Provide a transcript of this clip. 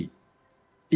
itu adalah faktor mitigasi